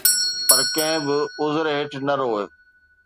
پر ڪنهن به عذر هيٺ نه روءِ